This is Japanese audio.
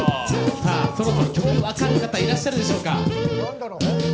そろそろ曲分かる方、いらっしゃるでしょうか？